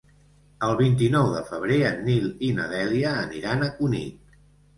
El vint-i-nou de febrer en Nil i na Dèlia aniran a Cunit.